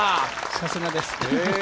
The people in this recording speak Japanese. さすがです。